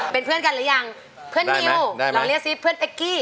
เป็นเพื่อนกันหรือยังเพื่อนนิวเราเรียกซิเพื่อนเป๊กกี้